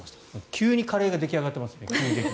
急にカレーが出来上がってますね。